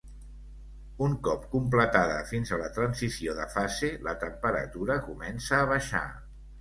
Un cop completada fins a la transició de fase, la temperatura comença a baixar.